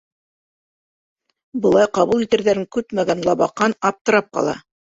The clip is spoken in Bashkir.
Былай ҡабул итерҙәрен көтмәгән Лабаҡан аптырап ҡала.